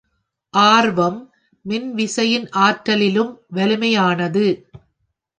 ஆர்வம் மின்விசையின் ஆற்றலிலும் வலிமையானது.